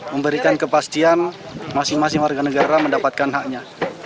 memberikan kepastian masing masing warga negara mendapatkan haknya